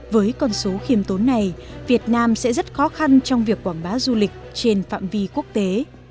với con số khiêm tốn này việt nam sẽ rất khó khăn trong việc quảng bá du lịch trên phạm vi quốc tế